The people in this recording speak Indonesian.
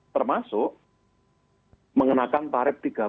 termasuk mengenakan tarif rp tiga puluh lima persen